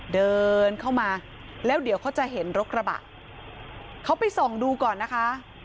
เดินเข้ามาแล้วเดี๋ยวเขาจะเห็นรถกระบะเขาไปส่องดูก่อนนะคะ